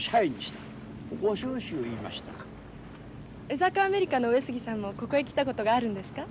江坂アメリカの上杉さんもここへ来たことがあるんですか？